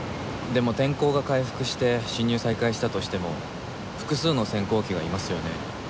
でも天候が回復して進入再開したとしても複数の先行機がいますよね。